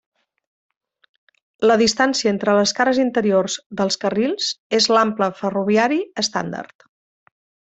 La distància entre les cares interiors dels carrils és l'ample ferroviari estàndard.